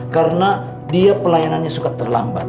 karena dia pelayanannya suka terlambat